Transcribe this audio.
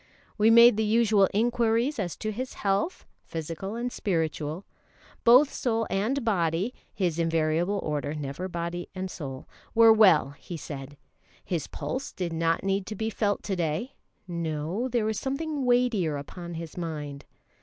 We made the usual inquiries as to his health, physical and spiritual. Both soul and body (his invariable order, never body and soul) were well, he said; his pulse did not need to be felt to day: no, there was something weightier upon his mind.